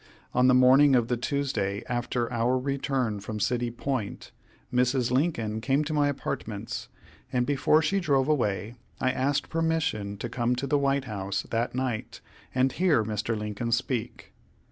On the morning of the Tuesday after our return from City Point, Mrs. Lincoln came to my apartments, and before she drove away I asked permission to come to the White House that night and hear Mr. Lincoln speak.